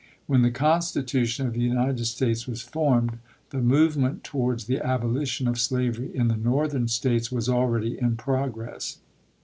When the Constitution of the United States was formed, the movement towards the abolition of slavery in the Northern States was already in progress.